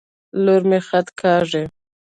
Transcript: لور مي خط کاږي.